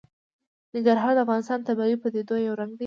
ننګرهار د افغانستان د طبیعي پدیدو یو رنګ دی.